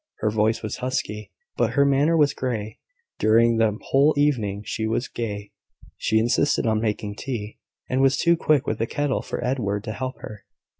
Her voice was husky, but her manner was gay. During the whole evening she was gay. She insisted on making tea, and was too quick with the kettle for Edward to help her.